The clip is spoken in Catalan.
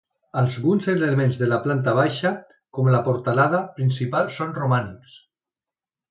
Alguns elements de la planta baixa, com la portalada principal, són romànics.